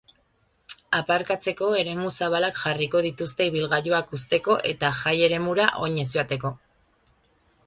Aparkatzeko eremu zabalak jarriko dituzte ibilgailuak uzteko eta jai-eremura oinez joateko.